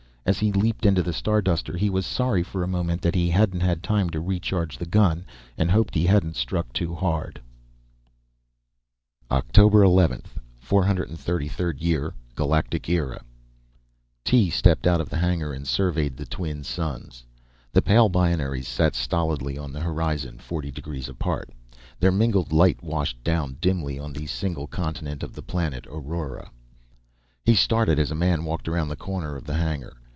As he leaped into the Starduster he was sorry for a moment that he hadn't had time to recharge the gun, and hoped he hadn't struck too hard. OCTOBER 11, 433rd Year GALACTIC ERA Tee stepped out of the hangar and surveyed the twin suns. The pale binaries sat stolidly on the horizon, forty degrees apart. Their mingled light washed down dimly on the single continent of the planet, Aurora. He started, as a man walked around the corner of the hangar.